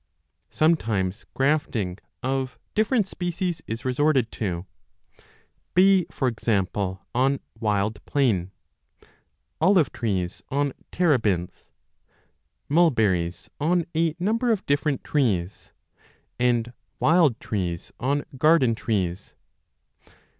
Sometimes grafting 40 of different species is resorted to, bay, 1 for example, on wild plane, 2 olive trees on terebinth, 3 mulberries on a number 82i a of different trees, and wild trees on garden trees.